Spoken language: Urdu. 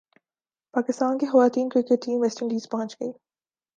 پاکستان کی خواتین کرکٹ ٹیم ویسٹ انڈیز پہنچ گئی